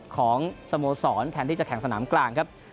ของสโมสรแทนที่จะแข่งสนามกลางครับ